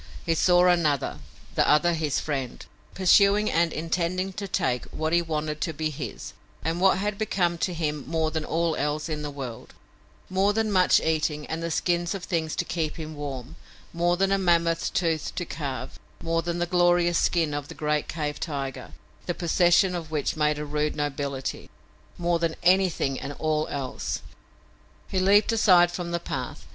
He saw another the other his friend pursuing and intending to take what he wanted to be his and what had become to him more than all else in the world; more than much eating and the skins of things to keep him warm, more than a mammoth's tooth to carve, more than the glorious skin of the great cave tiger, the possession of which made a rude nobility, more than anything and all else! He leaped aside from the path.